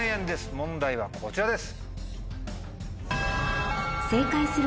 問題はこちらです。